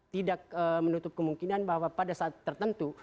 tidak menutup kemungkinan bahwa pada saat tertentu